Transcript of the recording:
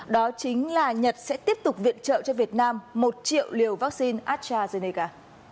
đó chính là nhật sẽ tiếp tục viện trợ cho việt nam một triệu liều vaccine astrazeneca